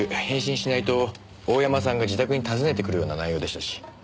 返信しないと大山さんが自宅に訪ねてくるような内容でしたし。